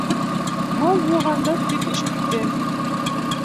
Мал һуйғандар тип исеттем.